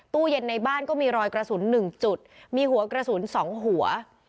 ตู้เย็นในบ้านก็มีรอยกระสุน๑จุดมีหัวกระสุน๒หัว